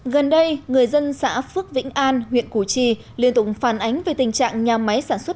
gần đây người dân xã phước vĩnh an huyện củ chi liên tục phản ánh về tình trạng nhà máy sản xuất